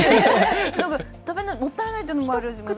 なんかもったいないっていうのもあるし。